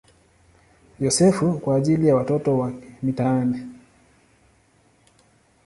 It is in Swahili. Yosefu" kwa ajili ya watoto wa mitaani.